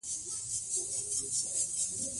هغه وخت چي د ښار ويالې،